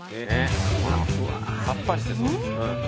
さっぱりしてそうですね。